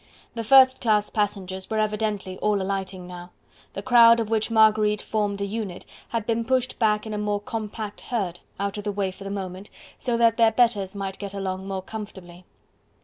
The first class passengers were evidently all alighting now: the crowd of which Marguerite formed a unit, had been pushed back in a more compact herd, out of the way for the moment, so that their betters might get along more comfortably.